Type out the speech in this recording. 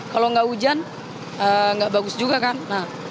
kalau nggak hujan nggak bagus juga kan